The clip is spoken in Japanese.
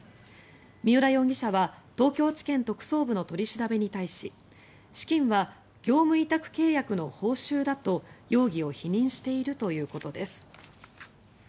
三浦容疑者は東京地検特捜部の取り調べに対し資金は業務委託契約の報酬だと容疑を否認しているということです。